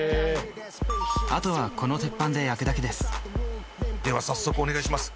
あとはこの鉄板で焼くだけですでは早速お願いします